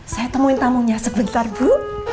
saya temuin tamunya sebentar bu